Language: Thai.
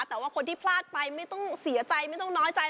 แต่ว่าคนที่พลาดไปไม่ต้องเสียใจไม่ต้องน้อยใจ